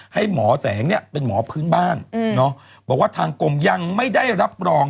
ให้หมอแสงเนี่ยเป็นหมอพื้นบ้านบอกว่าทางกรมยังไม่ได้รับรอง